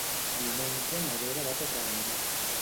Diumenge na Vera va a Torredembarra.